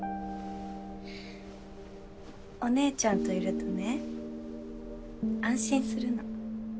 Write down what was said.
お姉ちゃんといるとね安心するの。